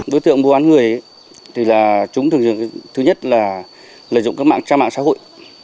đối tượng mua bán người thì là chúng thường thứ nhất là lợi dụng các mạng trang mạng xã hội